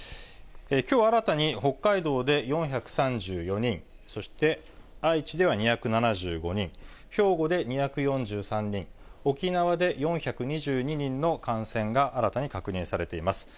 きょう新たに北海道で４３４人、そして愛知では２７５人、兵庫で２４３人、沖縄で４２２人の感染が新たに確認されています。